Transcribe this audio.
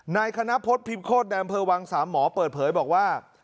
นายคณะพฤษพิมโคตรในอำเภอวังสามหมอเปิดเผยบอกว่า